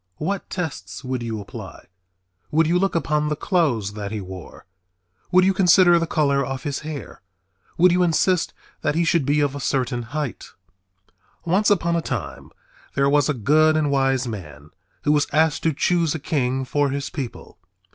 What tests would you apply? Would you look upon the clothes that he wore? Would you consider the color of his hair? Would you insist that he should be of a certain height? Once upon a time there was a good and wise man who was asked to choose a king for his people.